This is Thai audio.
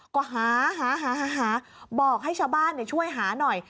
ก็หาหาบอกให้ชาวบ้านช่วยหาหน่อย